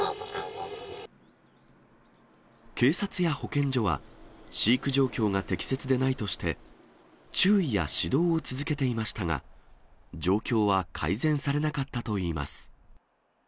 警察や保健所は、飼育状況が適切でないとして、注意や指導を続けていましたが、状況は改善されなかったといいます。